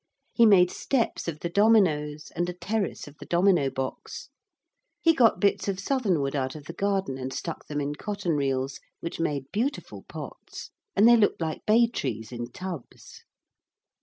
He made steps of the dominoes and a terrace of the domino box. He got bits of southernwood out of the garden and stuck them in cotton reels, which made beautiful pots, and they looked like bay trees in tubs.